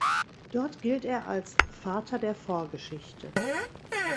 Dort gilt er als „Vater der Vorgeschichte“.